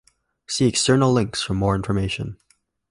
See External links for more information.